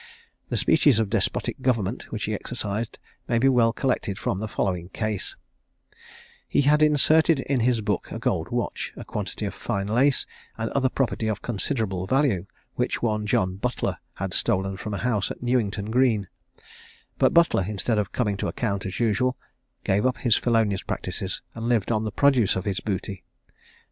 The species of despotic government which he exercised may be well collected from the following case: He had inserted in his book a gold watch, a quantity of fine lace, and other property of considerable value, which one John Butler had stolen from a house at Newington Green; but Butler, instead of coming to account as usual, gave up his felonious practices, and lived on the produce of his booty.